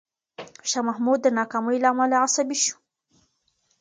شاه محمود د ناکامۍ له امله عصبي شو.